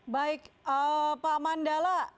baik pak mandala